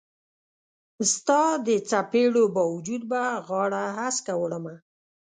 ستا د څیپړو با وجود به غاړه هسکه وړمه